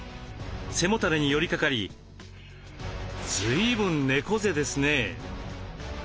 背もたれに寄りかかりずいぶん猫背ですね。